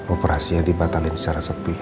operasinya dibatalin secara sepih